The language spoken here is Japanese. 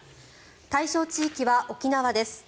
対象地域は沖縄です。